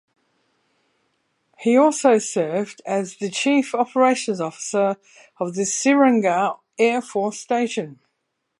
He also served as the chief operations officer of the Srinagar Air Force Station.